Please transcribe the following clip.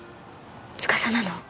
司なの？